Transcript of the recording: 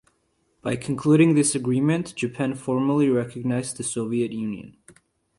By concluding this agreement, Japan formally recognized the Soviet Union.